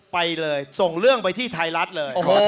ไปเลยส่งเรื่องไปที่ไทยรัฐเลย